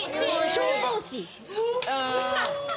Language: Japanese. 消防士。